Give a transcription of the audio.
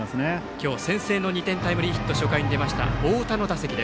今日、先制の２点タイムリーヒットが初回に出た太田の打席。